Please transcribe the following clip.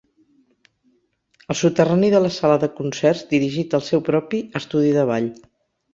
Al soterrani de la sala de concerts dirigit el seu propi estudi de ball.